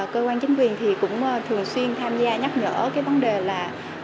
cơ quan chính quyền cũng thường xuyên tham gia nhắc nhở vấn đề là